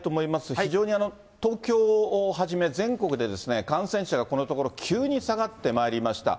非常に東京をはじめ、全国で感染者がこのところ急に下がってまいりました。